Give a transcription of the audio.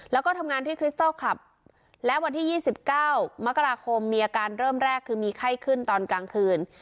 แล้วก็ทำงานที่คริสตอลคลับและวันที่๒๙มกราคมมีอาการเริ่มแรกคือมีไข้ขึ้นตอนกลางคืน